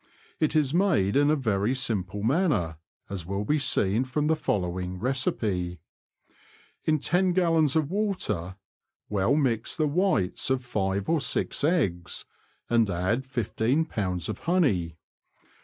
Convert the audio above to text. It is made in a very simple manner, as will be seen from the following recipe : In 10 gallons of water well mix the whites of five or six eggs, and add 151b. of honey.